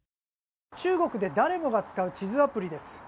中国で誰もが使う地図アプリです。